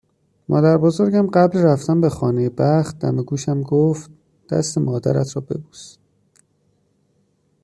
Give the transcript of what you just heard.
مادربزرگم قبل رفتن به خانهی بخت دم گوشم گفت: دست مادرت را ببوس